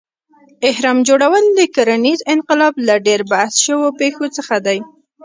اهرام جوړول د کرنیز انقلاب له ډېر بحث شوو پېښو څخه دی.